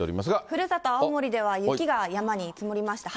ふるさと、青森では、雪が山に積もりました。